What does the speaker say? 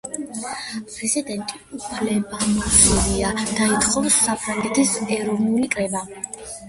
პრეზიდენტი უფლებამოსილია დაითხოვოს საფრანგეთის ეროვნული კრება.